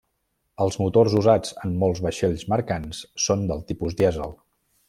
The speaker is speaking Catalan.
Els motors usats en molts vaixells mercants són del tipus dièsel.